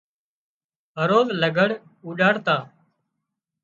هروز لگھڙ اُوڏاڙتان